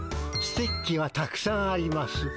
ステッキはたくさんあります。